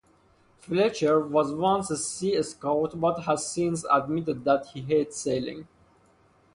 Fletcher was once a sea scout but has since admitted that he hates sailing.